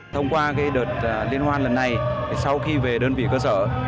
thông qua đợt liên hoan lần này sau khi về đơn vị cơ sở